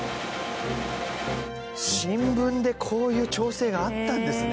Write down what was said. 新聞でこういう調整があったんですね。